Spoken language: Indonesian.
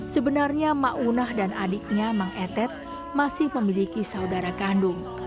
sebenarnya maunah dan adiknya mang etet masih memiliki saudara kandung